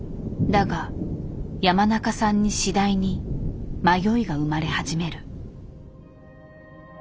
だが山中さんに次第に迷いが生まれ始める。